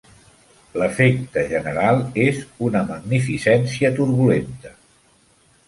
L'efecte general és una magnificència turbulenta.